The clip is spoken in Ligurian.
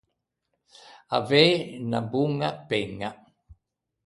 Avei unna boña peña.